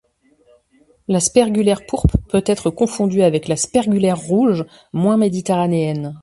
La Spergulaire pourpre peut être confondue avec la spergulaire rouge moins méditerranéenne.